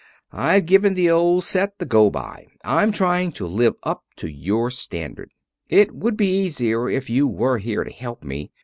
I've given the old set the go by I'm trying to live up to your standard. It would be easier if you were here to help me.